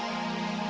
tidak bisa diketahui